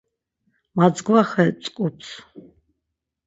Madzgva xe mtzǩups.